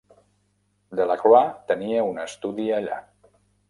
Delacroix tenia un estudi allà.